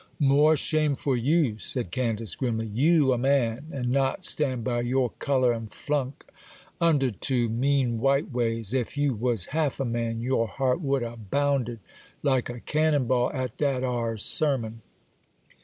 'More shame for you,' said Candace, grimly. 'You a man, and not stan' by your colour, and flunk under to mean white ways! Ef you was half a man, your heart would 'a' bounded like a cannon ball at dat 'ar sermon.